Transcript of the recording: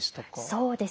そうですね。